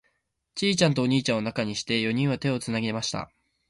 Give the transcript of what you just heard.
ちいちゃんとお兄ちゃんを中にして、四人は手をつなぎました。